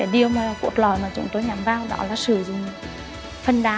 điều cuột lòi mà chúng tôi nhắm vào đó là sử dụng phân đá